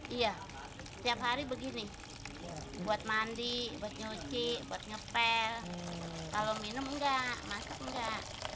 iya setiap hari begini buat mandi buat nyuci buat ngepel kalau minum enggak masak enggak